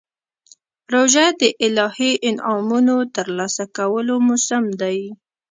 روژه د الهي انعامونو ترلاسه کولو موسم دی.